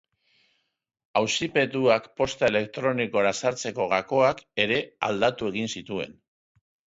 Auzipetuak posta elektronikora sartzeko gakoak ere aldatu egin zituen.